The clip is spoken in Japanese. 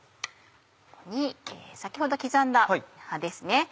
ここに先ほど刻んだ葉ですね。